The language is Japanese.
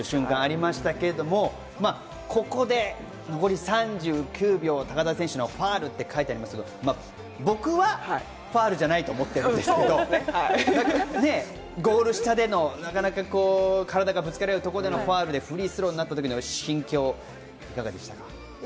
ここで残り３９秒、高田選手のファウルと書いてありますが、僕はファウルじゃないと思ってるんですけれども、ゴール下での体がぶつかり合うところでのファウル、フリースローになったときの心境、いかがでしたか？